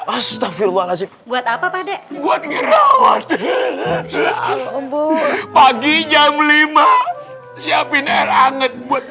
astagfirullahalazim buat apa pade buat ngerawat pagi jam lima siapin air anget buat mandi